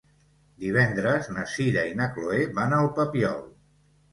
Divendres na Sira i na Chloé van al Papiol.